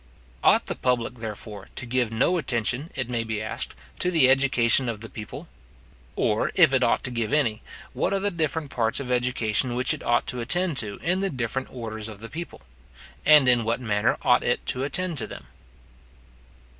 Ought the public, therefore, to give no attention, it may be asked, to the education of the people? Or, if it ought to give any, what are the different parts of education which it ought to attend to in the different orders of the people? and in what manner ought it to attend to them?